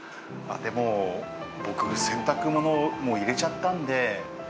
でも僕洗濯物もう入れちゃったんで。